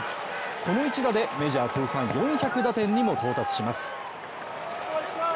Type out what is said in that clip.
この一打でメジャー通算４００打点にも到達します。